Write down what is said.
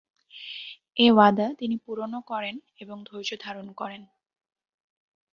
এ ওয়াদা তিনি পূরণও করেন এবং ধৈর্যধারণ করেন।